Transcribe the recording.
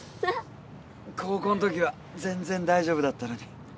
高校んときは全然大丈夫だったのに。